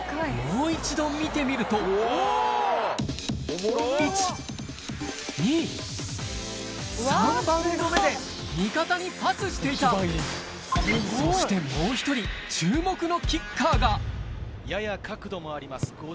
もう一度見てみると３バウンド目で味方にパスしていたそしてもう１人注目のキッカーがやや角度もあります